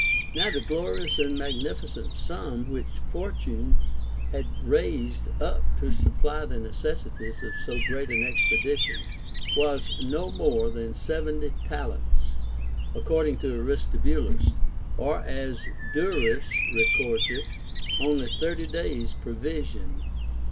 Now the glorious and magnificent sum which Fortune had raised up to supply the necessities of so great an expedition was no more than seventy talents, 478 OF THE FORTUNE OR VIRTUE according to Aristobulus ; or, as Duris records it, only thirty days' provision.